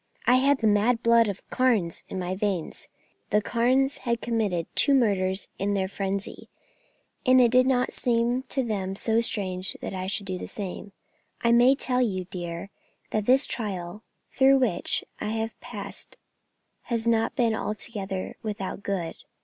I had the mad blood of the Carnes in my veins; the Carnes had committed two murders in their frenzy, and it did not seem to them so strange that I should do the same. I may tell you, dear, that this trial through which I have passed has not been altogether without good.